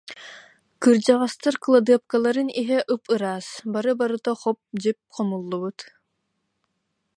Кырдьаҕастар кыладыапкаларын иһэ ып-ыраас, бары барыта хоп-дьип хомуллубут